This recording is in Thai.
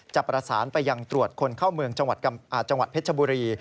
จะประสานไปยังตรวจคนเข้าเมืองจังหวัดเพชรบุรี